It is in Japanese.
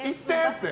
って。